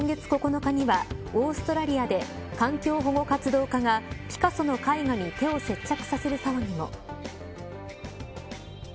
また、今月９日にはオーストラリアで環境保護活動家がピカソの絵画に手を接着させる騒ぎも。